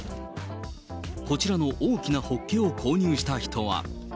こちらの大きなホッケを購入した人は。